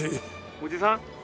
「おじさん？」